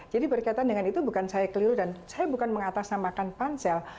jadi berkaitan dengan itu bukan saya keliru dan saya bukan mengatas nampakkan pansel